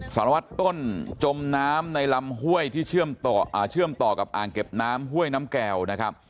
สารวัตรต้นจมน้ำในลำห้วยที่เชื่อมต่อกับอ่างเก็บน้ำห้วยน้ำแก่วนะครับ